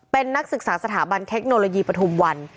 เป็นนักศึกษาสถาบันเทคโนโลยีปฐุมวัน